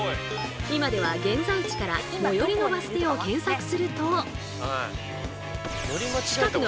今では現在地から最寄りのバス停を検索すると。